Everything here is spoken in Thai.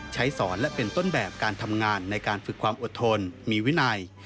สอนและเป็นต้นแบบการทำงานในการฝึกความอดทนมีวินัย